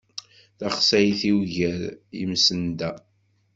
Taxsayt-iw gar yimsenda.